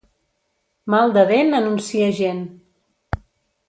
Mal de dent anuncia gent.